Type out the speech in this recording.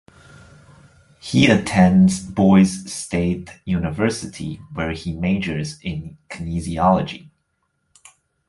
He attends Boise State University where he majors in kinesiology.